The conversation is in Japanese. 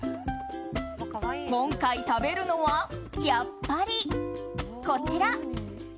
今回食べるのはやっぱりこちら。